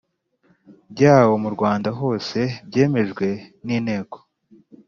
byawo mu Rwanda hose byemejwe n Inteko